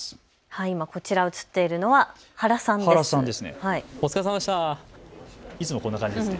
今こちら映っているのは原さんです。